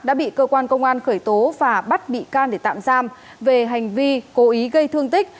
đã bị cơ quan công an khởi tố và bắt bị can để tạm giam về hành vi cố ý gây thương tích